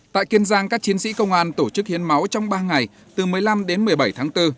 tại kiên giang các chiến sĩ công an tổ chức hiến máu trong ba ngày từ một mươi năm đến một mươi bảy tháng bốn